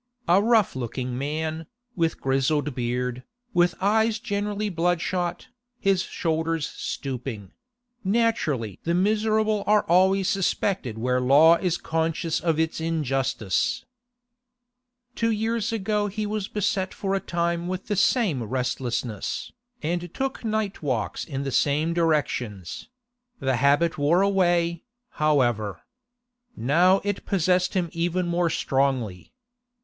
A rough looking man, with grizzled beard, with eyes generally bloodshot, his shoulders stooping—naturally the miserable are always suspected where law is conscious of its injustice. Two years ago he was beset for a time with the same restlessness, and took night walks in the same directions; the habit wore away, however. Now it possessed him even more strongly.